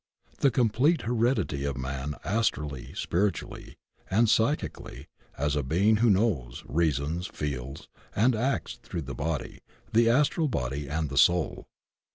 The complete heredity of man astrally, spiritually and psychically, as a being who knows, reasons, feels and acts through the body, the astral body and the soul.